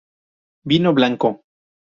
Vino blanco.